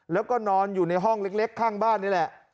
แล้วก็นอนอยู่ในห้องเล็กข้างบ้านนี่แหละ